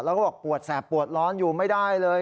แล้วก็บอกปวดแสบปวดร้อนอยู่ไม่ได้เลย